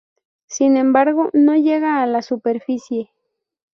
Sin embargo, no llega a la superficie.